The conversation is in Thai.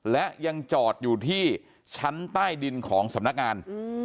และยังจอดอยู่ที่ชั้นใต้ดินของสำนักงาน